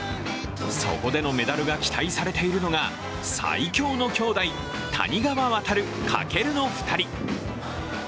そこでのメダルが期待されているのが最強の兄弟、谷川航・翔の２人。